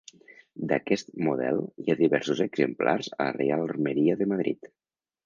D'aquest model hi ha diversos exemplars a la Reial Armeria de Madrid.